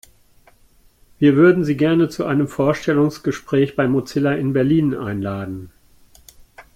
Wir würden Sie gerne zu einem Vorstellungsgespräch bei Mozilla in Berlin einladen!